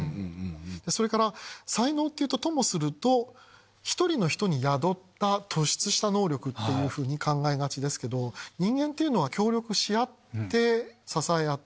それから才能っていうとともすると。っていうふうに考えがちですけど人間っていうのは協力し合って支え合って。